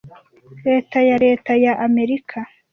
leta ya Leta ya Amerika